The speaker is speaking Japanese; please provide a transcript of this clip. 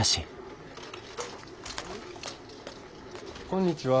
こんにちは。